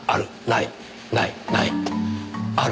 ないない。